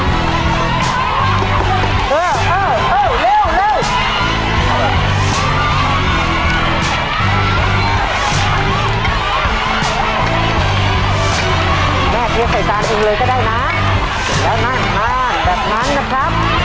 แม่เค้กใส่จานอื่นเลยก็ได้น่ะเห็นแล้วน่ะมานแบบนั้นนะครับ